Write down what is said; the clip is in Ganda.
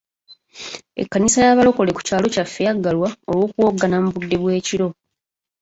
Ekkanisa y'abalokole ku kyalo kyaffe yaggalwa olw'okuwoggana mu budde bw'ekiro.